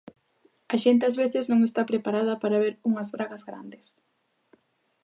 A xente ás veces non está preparada para ver unhas bragas "grandes".